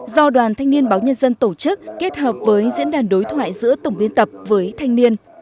do đoàn thanh niên báo nhân dân tổ chức kết hợp với diễn đàn đối thoại giữa tổng biên tập với thanh niên